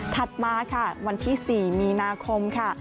มาค่ะวันที่๔มีนาคมค่ะ